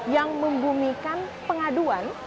yang membumikan pengaduan